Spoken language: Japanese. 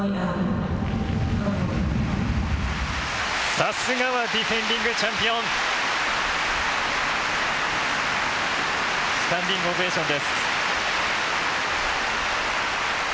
さすがはディフェンディングチャンピオン、スタンディングオベーションです。